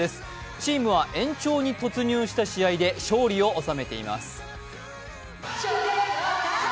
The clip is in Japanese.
チームは延長に突入した試合で勝利を収めています。